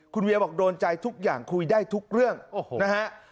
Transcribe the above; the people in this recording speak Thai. คุณเวียบอกโดนใจทุกอย่างคุยได้ทุกเรื่องนะฮะ